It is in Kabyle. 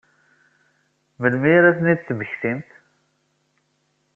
Melmi ara ad ten-id-temmektimt?